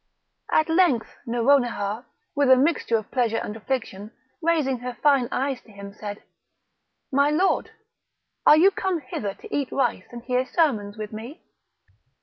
At length Nouronihar, with a mixture of pleasure and affliction, raising her fine eyes to him, said: "My lord, are you come hither to eat rice and hear sermons with me?"